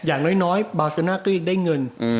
อย่างน้อยบาลชีโน่น้าก็ยังได้เงิน